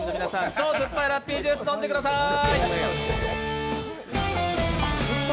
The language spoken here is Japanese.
超酸っぱいラッピージュース飲んでください。